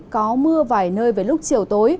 có mưa vài nơi về lúc chiều tối